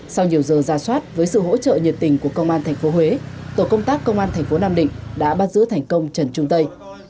sau nhiều giờ ra soát với sự hỗ trợ nhiệt tình của công an tp huế tổ công tác công an thành phố nam định đã bắt giữ thành công trần trung tây